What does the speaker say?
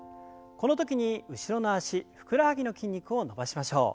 この時に後ろの脚ふくらはぎの筋肉を伸ばしましょう。